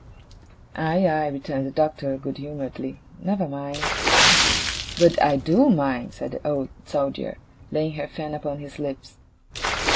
'Aye, aye,' returned the Doctor, good humouredly. 'Never mind.' 'But I DO mind,' said the Old Soldier, laying her fan upon his lips.